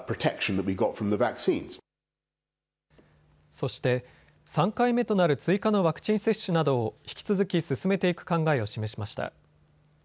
そして３回目となる追加のワクチン接種などを引き続き進めていく考えを示しました。